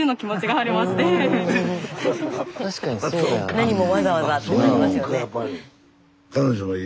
何もわざわざってなりますよね。